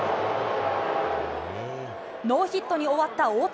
ノーヒットに終わった大谷。